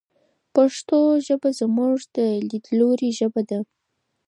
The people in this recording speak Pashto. پښتو ژبه زموږ د لیدلوري ژبه ده.